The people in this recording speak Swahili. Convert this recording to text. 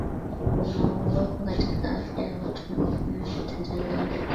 unaowekwa katika afya ya watu na mifumo ya utunzaji afya